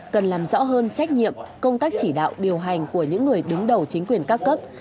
cần làm rõ hơn trách nhiệm công tác chỉ đạo điều hành của những người đứng đầu chính quyền các cấp